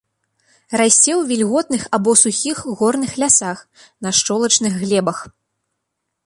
Расце ў вільготных або сухіх горных лясах, на шчолачных глебах.